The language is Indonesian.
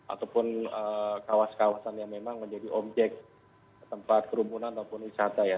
ataupun kawasan kawasan yang memang menjadi objek tempat kerumunan ataupun wisata ya